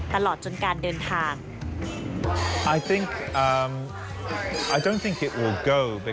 ตลอดจนการเดินทาง